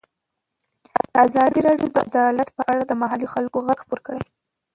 ازادي راډیو د عدالت په اړه د محلي خلکو غږ خپور کړی.